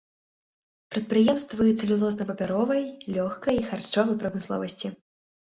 Прадпрыемствы цэлюлозна-папяровай, лёгкай, харчовай прамысловасці.